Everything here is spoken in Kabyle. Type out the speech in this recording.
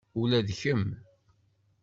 Ula d kemm.